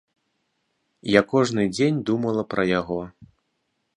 Я кожны дзень думала пра яго.